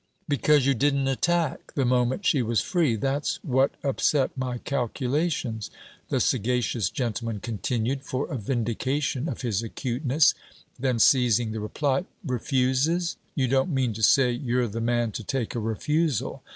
'Because you didn't attack, the moment she was free; that 's what upset my calculations,' the sagacious gentleman continued, for a vindication of his acuteness: then seizing the reply: 'Refuses? you don't mean to say you're the man to take a refusal?